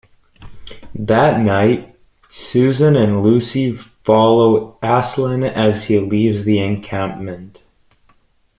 That night, Susan and Lucy follow Aslan as he leaves the encampment.